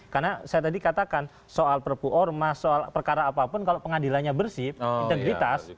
karena saya tadi katakan soal perpuorma soal perkara apapun kalau pengadilannya bersih integritas